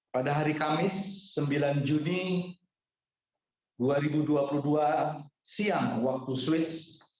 pada hari kamis sembilan juni dua ribu dua puluh dua siang waktu swiss